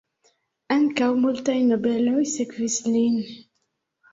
Ankaŭ multaj nobeloj sekvis lin.